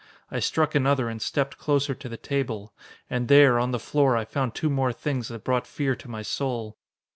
I struck another and stepped closer to the table. And there, on the floor, I found two more things that brought fear to my soul.